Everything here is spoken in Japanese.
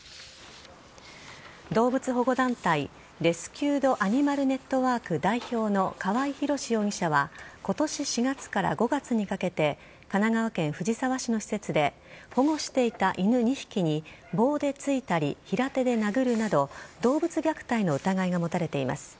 動物保護団体レスキュードアニマルネットワーク代表の河合弘容疑者は今年４月から５月にかけて神奈川県藤沢市の施設で保護していた犬２匹に棒で突いたり、平手で殴るなど動物虐待の疑いが持たれています。